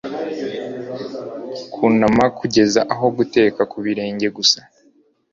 kunama kugeza aho guteka ku birenge gusa